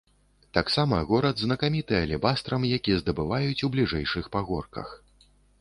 Таксама горад знакаміты алебастрам, які здабываюць у бліжэйшых пагорках.